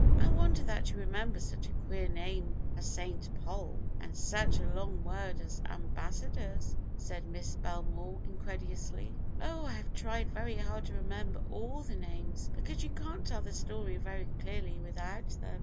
"I wonder that you remember such a queer name as St. Pol and such a long word as ambassadors," said Miss Belmore incredulously. "Oh, I have tried very hard to remember all the names, because you can't tell the story very clearly without them.